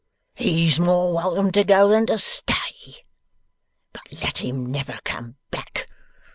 He's more welcome to go than to stay. But let him never come back.